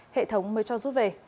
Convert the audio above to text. hệ thống mới cho rút về